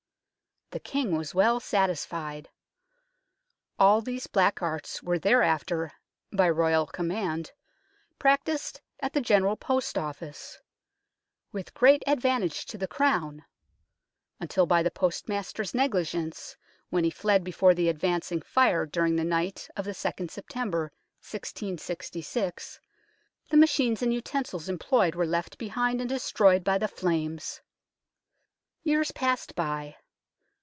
The King was well satisfied. All these black arts were thereafter, by Royal command, practised at the General Post Office, " with great advantage to the Crown," until by the Postmaster's negligence, when he fled before the advancing Fire during the night of the 2nd September 1666, the machines and utensils employed were left behind and destroyed by the flames. Years passed by.